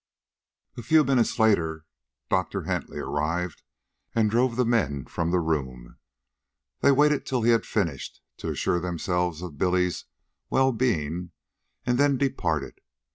A few minutes later Doctor Hentley arrived, and drove the men from the rooms. They waited till he had finished, to assure themselves of Billy's well being, and then departed.